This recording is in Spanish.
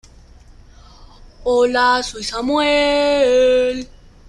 El parque cuenta con dos lotes y dos campos de ligas pequeñas.